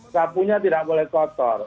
sapunya tidak boleh kotor